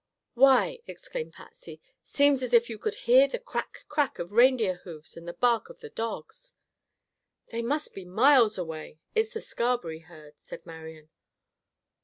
"Why," exclaimed Patsy, "Seems as if you could hear the crack crack of reindeer hoofs and the bark of the dogs!" "They must be miles away. It's the Scarberry herd," said Marian.